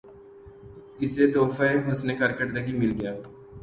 اسے تحفہِ حسنِ کارکردگی مل گیا